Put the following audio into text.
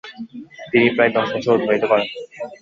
তিনি প্রায় দশ বছর অতিবাহিত করেন।